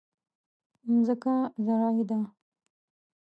ځمکه زرعي ده.